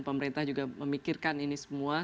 pemerintah juga memikirkan ini semua